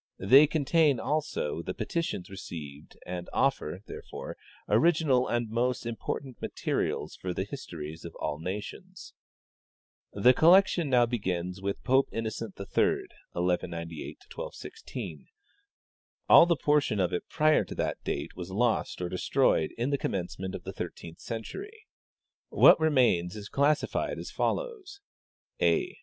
They contain, also, the petitions received, and offer, therefore, original and most important materials for th^ histories of all nations. " The collection now begins with Pope Innocent III (1198 1216). All the portion of it prior to that date was lost or de stroyed in the commencement of the thirteenth century. What remains is classified as follows : A.